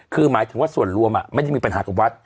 คือหมายถึงว่าส่วนรวมไม่ได้มีปัญหากับวัด